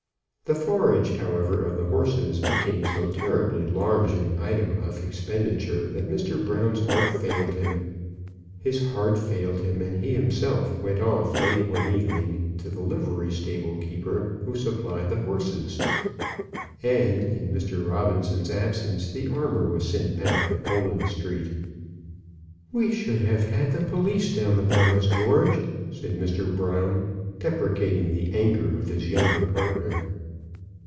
The forage, however, of the horses became so terribly large an item of expenditure that Mr. Brown's heart failed him. His heart failed him, and he himself went off late one evening to the livery stable keeper who supplied the horses, and in Mr. Robinson's absence, the armour was sent back to Poland Street. "We should have had the police down upon us, George," said Mr. Brown, deprecating the anger of his younger partner.